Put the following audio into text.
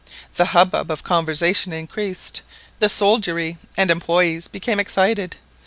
The hubbub of conversation increased. The soldiery and employés became excited.